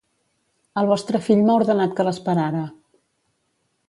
El vostre fill m'ha ordenat que l'esperara.